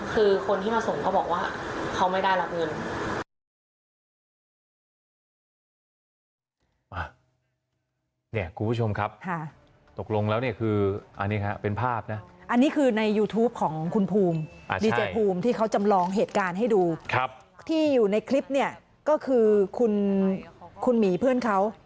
คือคนที่มาส่งเขาบอกว่าเขาไม่ได้รับเงิน